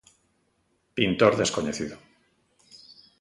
Pintor descoñecido.